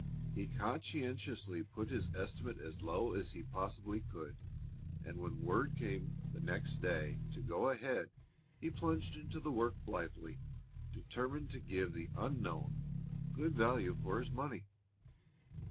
He conscientiously put his estimate as low as he possibly could, and when word came next day to go ahead he plunged into the work blithely, determined to give the unknown good value for his money.